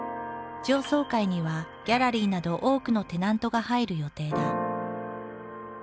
上層階にはギャラリーなど多くのテナントが入る予定だ。